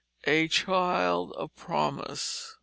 A child of promise.